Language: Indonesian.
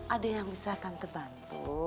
ada yang bisa tante bantu